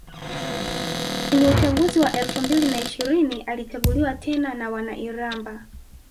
Kwenye uchaguzi wa elfu mbili na ishirini alichaguliwa tena na wana Iramba